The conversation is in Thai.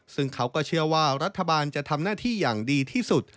ซึ่งเขาก็เชื่อว่ารัฐบาลจะทำหน้าที่อย่างดีที่สุด